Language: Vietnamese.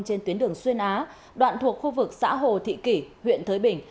trên tuyến đường xuyên á đoạn thuộc khu vực xã hồ thị kỷ huyện thới bình